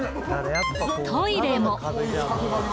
トイレも。